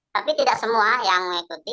tapi tidak semua yang mengikuti